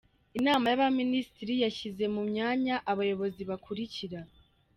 Inama y‟Abaminisitiri yashyize mu myanya abayobozi bakurikira :